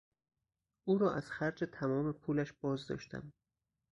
او را از خرج تمام پولش باز داشتم.